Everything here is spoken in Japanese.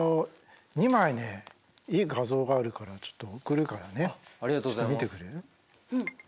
２枚ねいい画像があるからちょっと送るからねちょっと見てくれる？